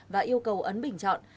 và yêu cầu ấn bình chọn